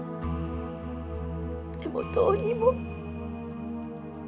でもどうにも。